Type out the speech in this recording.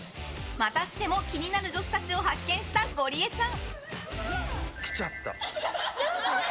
またしても気になる女子たちを発見したゴリエちゃん。